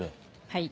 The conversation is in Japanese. はい。